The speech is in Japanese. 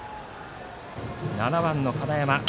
７番の金山。